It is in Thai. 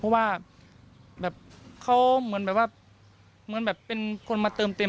เพราะว่าเขาเหมือนแบบว่าเป็นคนมาเติมเต็ม